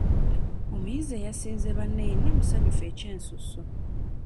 Omuyizi eyasinze banne yenna musanyufu ekyensusso.